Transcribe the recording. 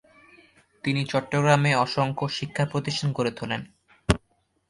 তিনি চট্টগ্রামে অসংখ্য শিক্ষা প্রতিষ্ঠান গড়ে তুলেন।